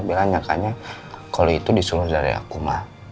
bella nyatanya kalau itu disuruh dari aku ma